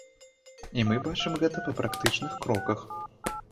І мы бачым гэта па практычных кроках.